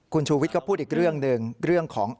คุณชูวิทย์ก็พูดอีกเรื่องหนึ่งเรื่องของ